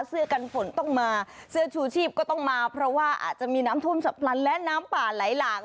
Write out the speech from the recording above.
เสื้อกันฝนต้องมาเสื้อชูชีพก็ต้องมาเพราะว่าอาจจะมีน้ำท่วมฉับพลันและน้ำป่าไหลหลาก